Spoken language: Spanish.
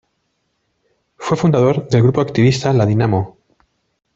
Fue fundador del grupo activista "La Dinamo".